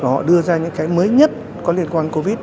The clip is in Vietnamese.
và họ đưa ra những cái mới nhất có liên quan covid